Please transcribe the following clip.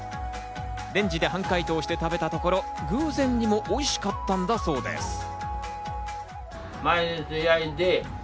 レンジで半解凍して食べたところ偶然にもおいしかったんだそうです。